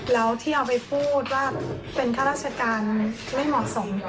แล้วที่เอาไปพูดว่าเป็นข้าราชการไม่เหมาะสม